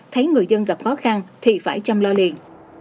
thấy người dân gặp khó khăn thì phải chăm lo liền